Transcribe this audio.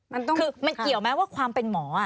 คือมันเกี่ยวแม้ว่าความเป็นหมอ